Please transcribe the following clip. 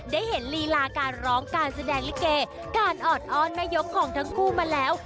ได้เห็นลีลาการร้องการแสดงลิเกการออดอ้อนแม่ยกของทั้งคู่มาแล้ว